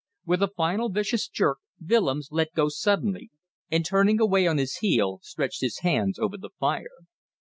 With a final vicious jerk Willems let go suddenly, and turning away on his heel stretched his hands over the fire.